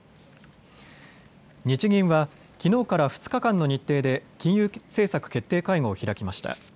日銀はきのうから２日間の日程で金融政策決定会合を開きました。